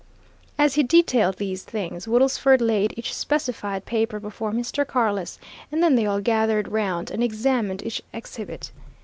As he detailed these things, Woodlesford laid each specified paper before Mr. Carless, and then they all gathered round, and examined each exhibit.